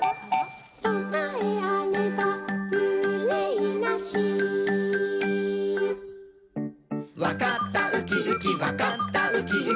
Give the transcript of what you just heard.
「そなえあればうれいなし」「わかったウキウキわかったウキウキ」